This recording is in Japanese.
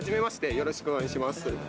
よろしくお願いします。